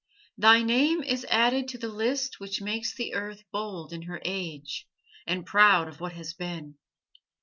Thy name is added to the list which makes the earth bold in her age, and proud of what has been.